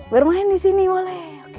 bermain di sini boleh